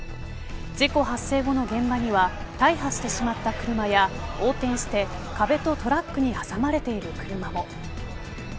事故発生後の現場には大破してしまった車や横転して壁とトラックに挟まれている車も。